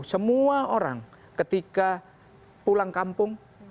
semua orang ketika pulang kampung